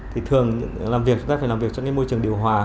thì thường chúng ta phải làm việc trong môi trường điều hòa